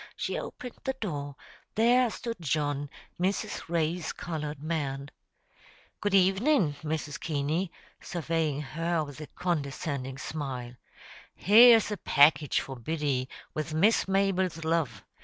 She opened the door; there stood John, Mrs. Ray's colored man. "Good evenin', Mrs. Keaney," surveying her with a condescending smile. "Here's a package for Biddy, with Miss Mabel's love.